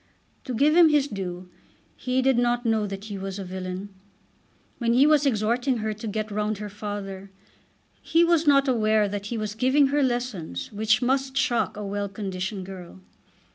To give him his due, he did not know that he was a villain. When he was exhorting her to "get round her father" he was not aware that he was giving her lessons which must shock a well conditioned girl.